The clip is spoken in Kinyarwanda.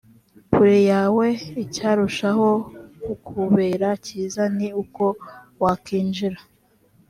kure yawe icyarushaho kukubera cyiza ni uko wakwinjira